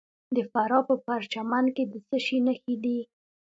د فراه په پرچمن کې د څه شي نښې دي؟